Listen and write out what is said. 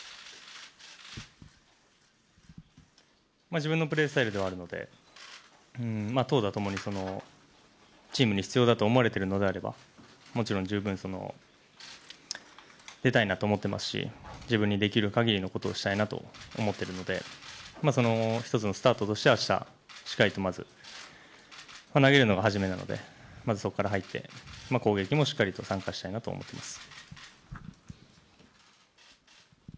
自分のプレースタイルではあるので、投打ともにチームに必要だと思われているのであれば、もちろん十分出たいなと思っていますし自分にできるかぎりのことをしたいなと思っているので、一つのスタートとして明日しっかりとまず、投げるのが始めなのでまずそこから入って攻撃もしっかりと参加したいなと思っています。